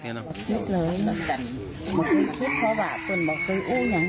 ไม่ใช่เลย